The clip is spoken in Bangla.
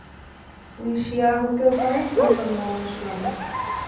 তিনি শিয়া হতেও পারেন বলে সম্ভাবনা শোনা যায়।